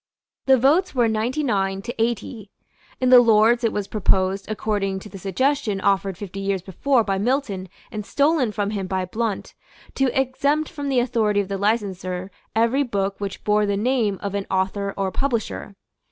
The votes were ninety nine to eighty. In the Lords it was proposed, according to the suggestion offered fifty years before by Milton and stolen from him by Blount, to exempt from the authority of the licenser every book which bore the name of an author or publisher.